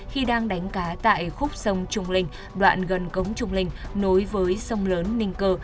khi đang đánh cá tại khúc sông trung linh đoạn gần cống trung linh nối với sông lớn ninh cơ